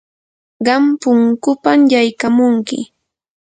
qam punkupam yaykamunki.